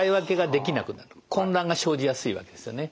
混乱が生じやすいわけですよね。